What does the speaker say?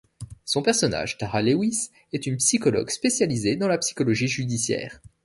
Son personnage Tara Lewis, est une psychologue spécialisée dans la psychologie judiciaire.